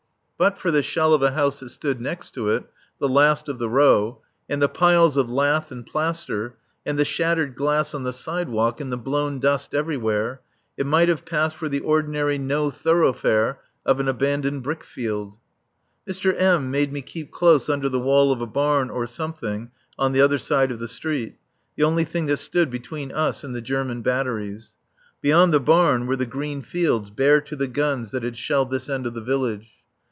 But for the shell of a house that stood next to it, the last of the row, and the piles of lath and plaster, and the shattered glass on the sidewalk and the blown dust everywhere, it might have passed for the ordinary no thoroughfare of an abandoned brick field. Mr. M. made me keep close under the wall of a barn or something on the other side of the street, the only thing that stood between us and the German batteries. Beyond the barn were the green fields bare to the guns that had shelled this end of the village.